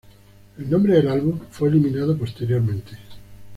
El nombre del álbum fue eliminado posteriormente.